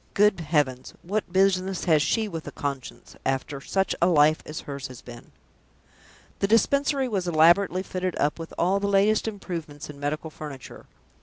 "Good heavens, what business has she with a conscience, after such a life as hers has been!" The Dispensary was elaborately fitted up with all the latest improvements in medical furniture.